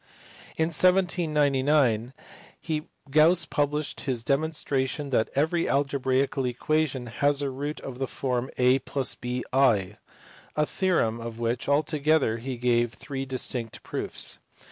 In 1799 Gauss published his demonstration that every algebraical equation has a root of the form a + bi ; a theorem of which altogether he gave three distinct proofs.